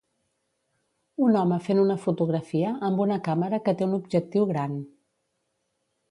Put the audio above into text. Un home fent una fotografia amb una càmera que te un objectiu gran.